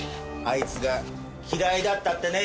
「あいつが嫌いだった」ってね。